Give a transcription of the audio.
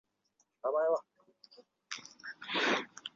据说宋孝宗读该书后大悦。